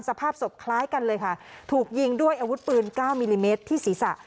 สภาพศพคล้ายกันเลยค่ะถูกยิงด้วยอาวุธปืน๙มิลลิเมตรที่ศีรษะ